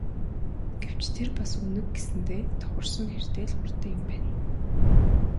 Гэвч тэр бас Үнэг гэсэндээ тохирсон хэрдээ л хурдан юм байна.